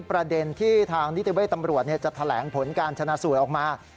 ประเด็นที่ทางนิติเวทตำรวจจะแถลงผลการชนะสูตรออกมา